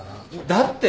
だって。